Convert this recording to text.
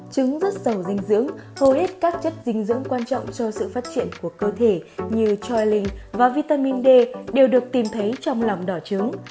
trứng rất giàu dinh dưỡng hầu hết các chất dinh dưỡng quan trọng cho sự phát triển của cơ thể như choiling và vitamin d đều được tìm thấy trong lòng đỏ trứng